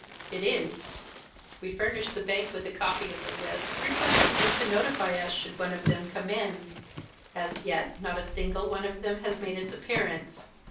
"'It is. We furnished the Bank with a copy of the list, requesting them to notify us should one of them come in: as yet not a single one of them has made its appearance.